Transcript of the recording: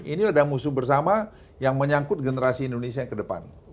ini adalah musuh bersama yang menyangkut generasi indonesia yang ke depan